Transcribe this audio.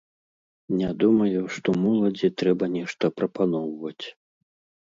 Не думаю, што моладзі трэба нешта прапаноўваць.